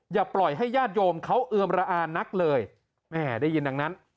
อย่าปล่อยให้ญาติโยมเขาเอือมระอานักเลยแม่ได้ยินดังนั้น